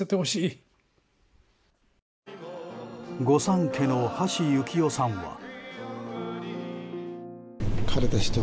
御三家の橋幸夫さんは。